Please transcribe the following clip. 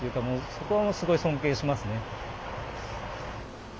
そこはもうすごい尊敬しますね。